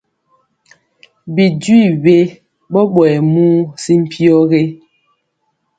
Bi jwi we ɓɔɓɔyɛ muu si mpyɔ gé?